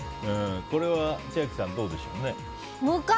これは千秋さん、どうでしょうか。